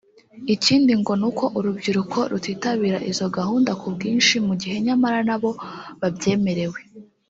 Ikindi ngo ni uko urubyiruko rutitabira izo gahunda ku bwinshi mu gihe nyamara na bo babyemerewe